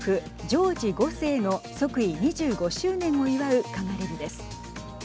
ジョージ５世の即位２５周年を祝うかがり火です。